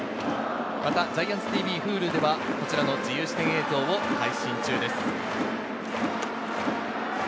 またＧＩＡＮＴＳＴＶ・Ｈｕｌｕでは、こちらの自由視点映像を配信中です。